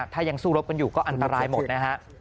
ถ้ายังสู้รบกันอยู่ก็อันตรายหมดนะฮะ